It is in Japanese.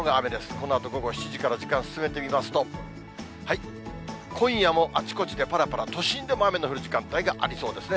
このあと午後７時から時間進めてみますと、今夜もあちこちでぱらぱら、都心でも雨の降る時間帯がありそうですね。